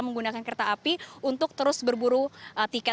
menggunakan kereta api untuk terus berburu tiket